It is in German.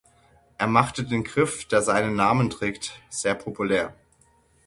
Er machte den Griff, der seinen Namen trägt, sehr populär.